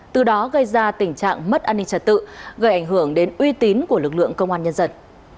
từ đó gây ra tình trạng mất an ninh trật tự gây ảnh hưởng đến uy tín của lực lượng công an nhân dân